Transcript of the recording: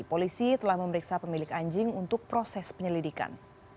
polisi telah memeriksa pemilik anjing untuk proses penyelidikan